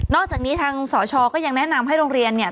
อกจากนี้ทางสชก็ยังแนะนำให้โรงเรียนเนี่ย